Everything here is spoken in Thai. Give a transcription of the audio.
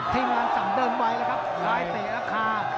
ที่มันสั่งเดินไว้แล้วครับไข่ตีแล้วค่า